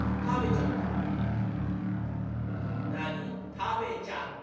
「食べちゃった」。